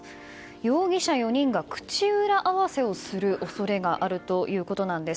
容疑者４人が口裏合わせをする恐れがあるということです。